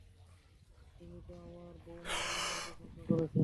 তুমিও তো আমার বৌমার রান্নার প্রশংসা করেছ।